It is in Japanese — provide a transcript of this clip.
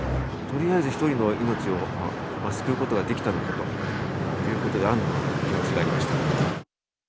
とりあえず一人の命を救うことができたということで、安どの気持ちになりました。